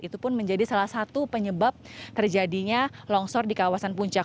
itu pun menjadi salah satu penyebab terjadinya longsor di kawasan puncak